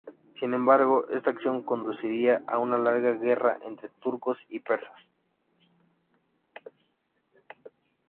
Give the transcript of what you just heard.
Sin embargo, esta acción conduciría a una larga guerra entre turcos y persas.